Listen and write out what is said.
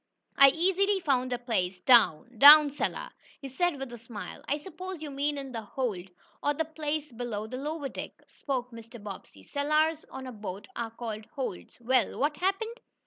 I easily found a place down down cellar," he said with a smile. "I suppose you mean in the hold, or the place below the lower deck," spoke Mr. Bobbsey. "Cellars on a boat are called 'holds.' Well, what happened?"